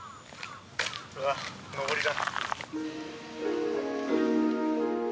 うわ上りだ。